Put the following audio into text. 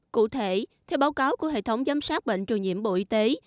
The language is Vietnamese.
cụ thể theo báo cáo của hệ thống giám sát bệnh truyền nhiễm bộ y tế